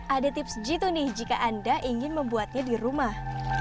ada tips jitu nih jika anda ingin membuatnya di rumah